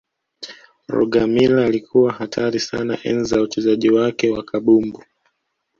rogermiller alikuwa hatari sana enzi za uchezaji wake wa kabumbu